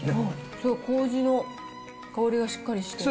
すごいこうじの香りがしっかりして。